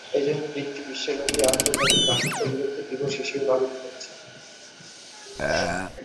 এজন্য দিনটি বিশ্বব্যাপী আন্তর্জাতিক দাসত্ব বিলুপ্তি দিবস হিসেবে পালিত হচ্ছে।